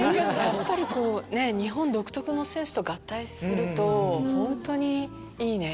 日本独特のセンスと合体すると本当にいいね。